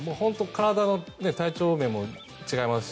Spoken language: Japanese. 体の体調面も違いますし